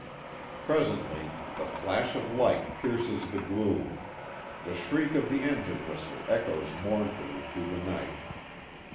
Presently the flash of light pierces the gloom, the shriek of the engine whistle echoes mournfully through the night.